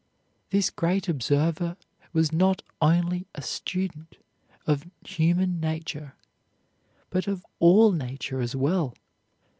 This great observer was not only a student of human nature, but of all nature as well.